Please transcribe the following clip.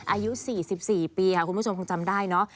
อายุสี่สิบสี่ปีค่ะคุณผู้ชมคงจำได้เนอะ